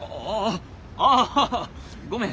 あああごめん。